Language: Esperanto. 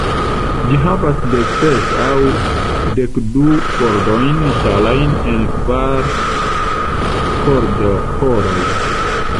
Ĝi havas dekses aŭ dekdu kordojn ŝtalajn en kvar kordoĥoroj.